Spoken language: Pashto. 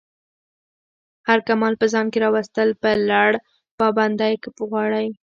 هر کمال په ځان کی راویستل یو لَړ پابندی غواړی.